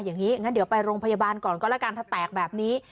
อย่างนั้นเดี๋ยวไปโรงพยาบาลก่อนก็แล้วกันถ้าแตกแบบนี้